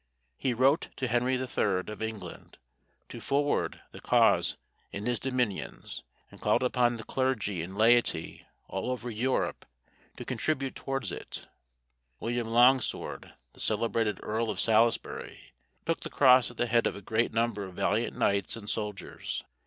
He wrote to Henry III. of England to forward the cause in his dominions, and called upon the clergy and laity all over Europe to contribute towards it. William Longsword, the celebrated Earl of Salisbury, took the cross at the head of a great number of valiant knights and soldiers.